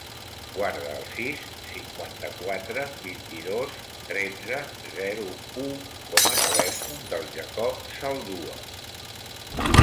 Guarda el sis, cinquanta-quatre, vint-i-dos, tretze, zero, u com a telèfon del Jacob Zaldua.